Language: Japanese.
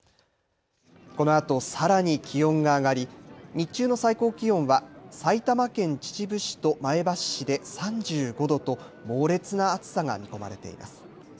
このあとさらに気温が上がり日中の最高気温は埼玉県秩父市と前橋市で３５度と猛烈な暑さが見込まれています。